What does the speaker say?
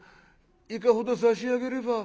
いかほど差し上げれば？」。